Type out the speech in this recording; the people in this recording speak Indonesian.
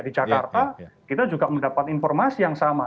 di jakarta kita juga mendapat informasi yang sama